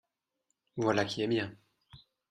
Voilà qui est bien